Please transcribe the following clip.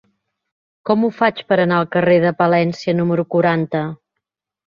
Com ho faig per anar al carrer de Palència número quaranta?